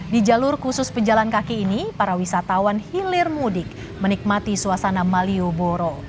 di jalur khusus pejalan kaki ini para wisatawan hilir mudik menikmati suasana malioboro